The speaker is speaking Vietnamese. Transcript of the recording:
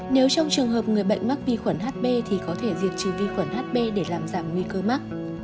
nếu trong trường hợp người bệnh mắc vi khuẩn hb thì có thể diệt trừ vi khuẩn hb để làm giảm nguy cơ mắc